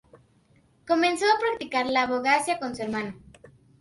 Comenzó a practicar la abogacía con su hermano.